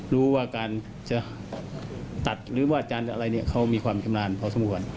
รู้ว่าการจะตัดหรือวาดจานอะไรเขามีความชำลาดเพราะสมมุติ